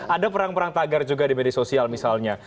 ada perang perang tagar juga di media sosial misalnya